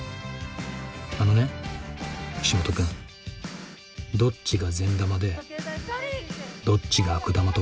あのね岸本君どっちが善玉でどっちが悪玉とか。